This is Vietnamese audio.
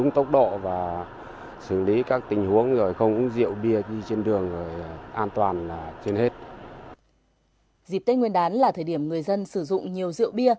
nhiều trường hợp uống rượu bia điều khiển phương tiện